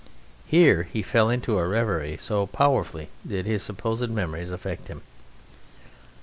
Here he fell into a reverie, so powerfully did his supposed memories affect him.